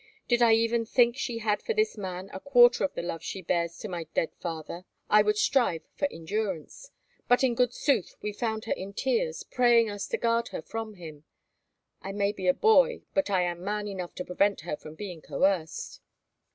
Did I even think she had for this man a quarter of the love she bears to my dead father, I would strive for endurance; but in good sooth we found her in tears, praying us to guard her from him. I may be a boy, but I am man enough to prevent her from being coerced."